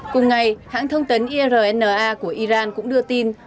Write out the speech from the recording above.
cùng ngày hãng thông tấn irna của iran cũng đưa tin